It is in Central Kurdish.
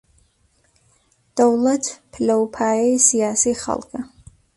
دەوڵەت پلە و پایەی سیاسیی خەڵکە